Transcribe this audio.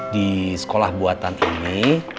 di sekolah buatan ini